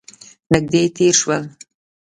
نژدې تیر شول